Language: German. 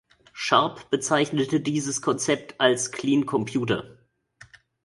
Sharp bezeichnete dieses Konzept als "Clean Computer".